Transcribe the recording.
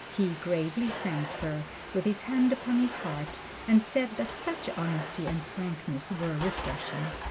He gravely thanked her, with his hand upon his heart, and said that such honesty and frankness were refreshing.